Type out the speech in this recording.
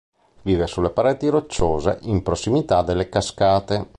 Vive sulle pareti rocciose, in prossimità delle cascate.